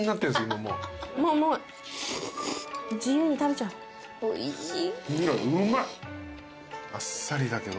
麺おいしい。